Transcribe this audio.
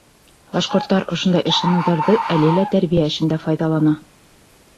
Башҡорттар ошондай ышаныуҙарҙы әле лә тәрбиә эшендә файҙалана.